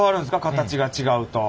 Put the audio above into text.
形が違うと。